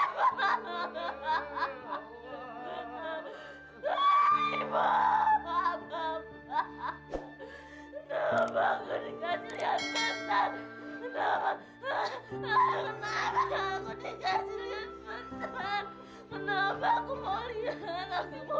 bapak bapak bapak kenapa aku diganti liat bentar kenapa kenapa aku diganti liat bentar kenapa aku mau liat aku mau liat